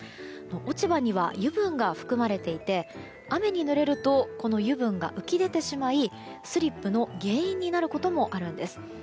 落ち葉には油分が含まれていて雨にぬれるとこの油分が浮き出てしまいスリップの原因になることもあるんです。